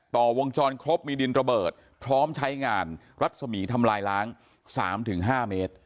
วงจรครบมีดินระเบิดพร้อมใช้งานรัศมีร์ทำลายล้าง๓๕เมตร